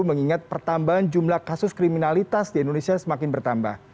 mengingat pertambahan jumlah kasus kriminalitas di indonesia semakin bertambah